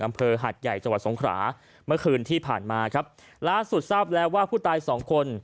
อำเภอหัดใหญ่จังหวัดสงขราเมื่อคืนที่ผ่านมาครับล่าสุดทราบแล้วว่าผู้ตายสองคน